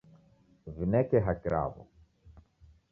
W'ineke haki raw'o.